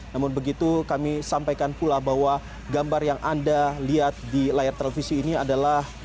namun begitu kami sampaikan pula bahwa gambar yang anda lihat di layar televisi ini adalah